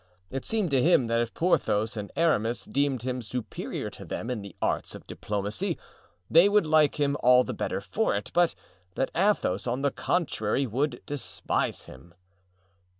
It seemed to him that if Porthos and Aramis deemed him superior to them in the arts of diplomacy, they would like him all the better for it; but that Athos, on the contrary, would despise him.